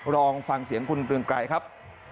ลองฟังเสียงคุณเรืองไกรครับ